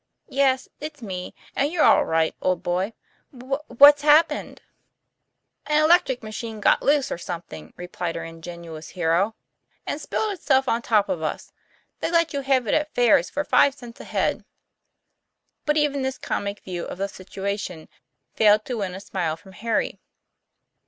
"Yes; it's me; and you're all right, old boy." " Wh what's happened ?" 120 TOM PLA YFAIR. ,"" An electric machine got loose, or something, plied our ingenious hero, " and spilled itself on top of us. They let you have it at fairs for five cents a head." But even this comic view of the situation failed to win a smile from Harry.